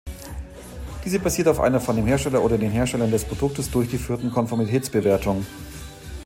Diese basiert auf einer von dem Hersteller oder den Herstellern des Produktes durchgeführten Konformitätsbewertung.